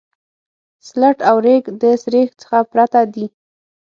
سلټ او ریګ د سریښ څخه پرته دي